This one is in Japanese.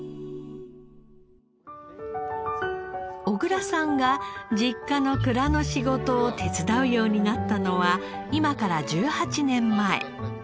小倉さんが実家の蔵の仕事を手伝うようになったのは今から１８年前。